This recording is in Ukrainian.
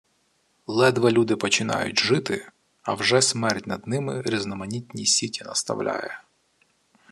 Ледве люди починають жити, а вже смерть над ними різноманітні сіті наставляє.